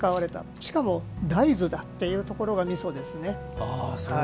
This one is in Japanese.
しかも、大豆だっていうところがみそですね。